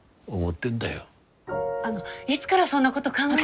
あのいつからそんなこと考えて。